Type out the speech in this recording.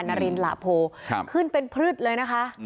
นารินหลาโพขึ้นเป็นพลึดเลยนะคะ